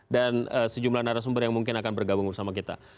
dan sejumlah narasumber yang mungkin akan bergabung bersama kita